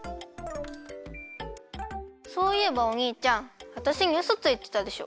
そういえばおにいちゃんわたしにうそついてたでしょ。